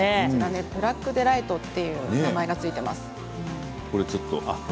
ブラックデライトという名前が付いています。